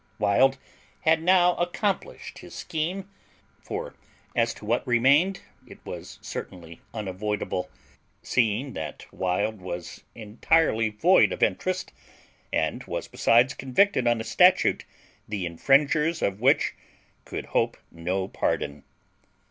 Wild had now accomplished his scheme; for as to remained, it was certainly unavoidable, seeing Heartfree was entirely void of interest with the and was besides convicted on a statute the infringers of which could hope no pardon.